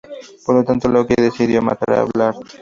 Por lo tanto, Loki decidió matar a Baldr.